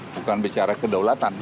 bukan bicara kedaulatan